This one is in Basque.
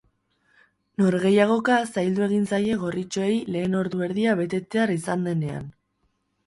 Norgehiagoka zaildu egin zaie gorritxoei lehen ordu erdia betetzear izan denean.